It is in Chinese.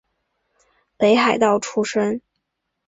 北海道出身。